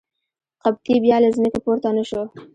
قبطي بیا له ځمکې پورته نه شو.